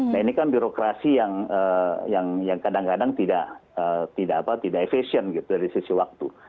nah ini kan birokrasi yang kadang kadang tidak efisien gitu dari sisi waktu